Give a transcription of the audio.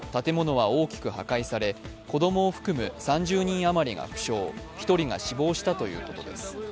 建物は大きく破壊され子供を含む３０人余りが負傷、１人が死亡したということです。